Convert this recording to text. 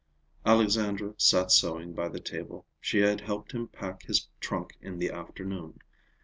Alexandra sat sewing by the table. She had helped him pack his trunk in the afternoon.